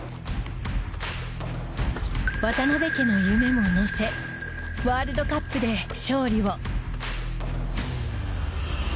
渡邊家の夢も乗せワールドカップで勝利を。